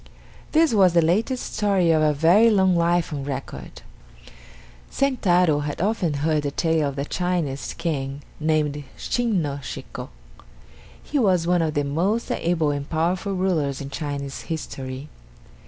This was the latest story of a very long life on record. Sentaro had often heard the tale of the Chinese King named Shin no Shiko. He was one of the most able and powerful rulers in Chinese history.